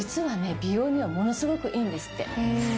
美容にはものすごくいいんですって。